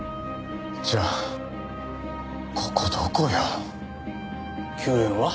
じゃあここどこよ？救援は？